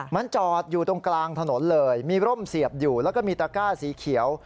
มันจอดอยู่ตรงกลางถนนเลยมีร่มเสียบอยู่แล้วก็มีตะก้าสีเขียว